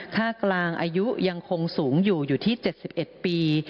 ค่ากลางอายุยังคงสูงอยู่อยู่ที่๗๑ปี